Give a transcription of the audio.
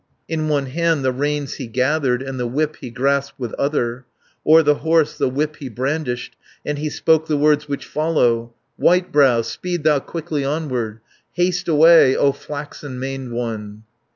In one hand the reins he gathered, And the whip he grasped with other, O'er the horse the whip he brandished, And he spoke the words which follow: 440 "Whitebrow, speed thou quickly onward, Haste away, O flaxen maned one."